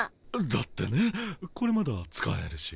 だってねこれまだ使えるし。